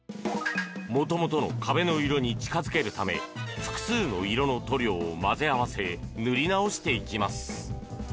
元々の壁の色に近付けるため複数の色の塗料を混ぜ合わせ塗り直していきます。